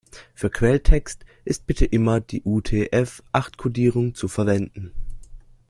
Für Quelltext ist bitte immer die UTF-acht-Kodierung zu verwenden.